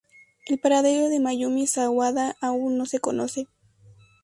El paradero de Mayumi Sawada aún no se conoce...